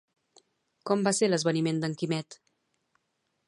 Com va ser l'esvaniment d'en Quimet?